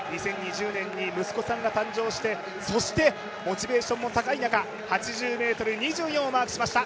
２０２０年に息子さんが誕生して、そしてモチベーショが高い中、８０ｍ２４をマークしました。